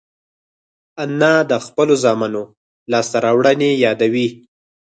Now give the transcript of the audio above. انا د خپلو زامنو لاسته راوړنې یادوي